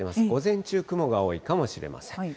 午前中、雲が多いかもしれません。